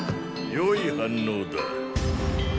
よい反応だ。